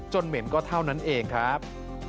เหม็นก็เท่านั้นเองครับ